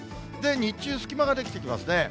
日中、隙間ができてきますね。